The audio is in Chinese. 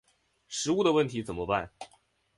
食物的问题怎么办？